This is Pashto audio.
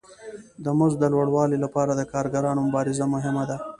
د مزد د لوړوالي لپاره د کارګرانو مبارزه مهمه ده